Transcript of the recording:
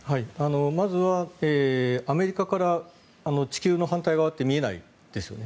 まずはアメリカから地球の反対側って見えないですよね。